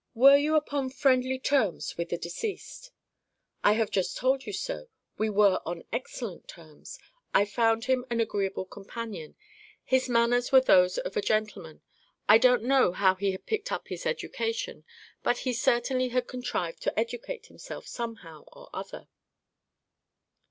"Were you upon friendly terms with the deceased?" "I have just told you so. We were on excellent terms. I found him an agreeable companion. His manners were those of a gentleman. I don't know how he had picked up his education, but he certainly had contrived to educate himself some how or other."